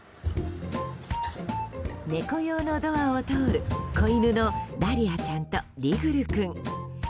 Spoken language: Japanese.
猫用のドアを通る子犬のダリアちゃんとリグル君。